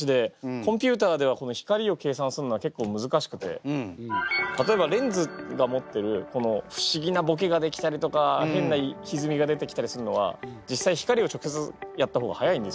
コンピューターでは光を計算するのは結構むずかしくて例えばレンズが持ってる不思議なボケができたりとか変なひずみが出てきたりすんのは実際光を直接やった方がはやいんですよ。